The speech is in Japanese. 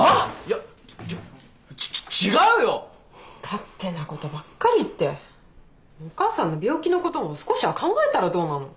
勝手なことばっかり言ってお母さんの病気のことも少しは考えたらどうなの？